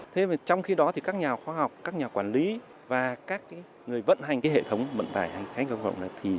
trong khi đó các nhà khoa học các nhà quản lý và các người vận hành hệ thống vận tải khách công cộng